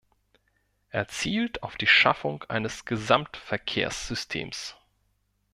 Er zielt auf die Schaffung eines Gesamtverkehrssystems.